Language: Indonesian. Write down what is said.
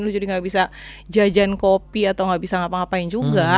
lu jadi gak bisa jajan kopi atau nggak bisa ngapa ngapain juga